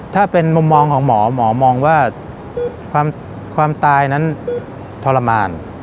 ถ้าเป็นมุมมองของหมอหมอมองว่าความตายนั้นทรมาน